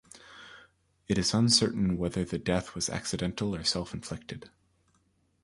It is uncertain whether the death was accidental or self-inflicted.